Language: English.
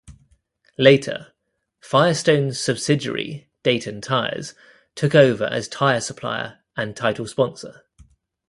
Later, Firestone's subsidiary Dayton Tires took over as tire supplier and title sponsor.